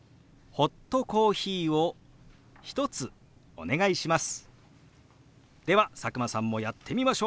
ホットコーヒーを１つお願いします。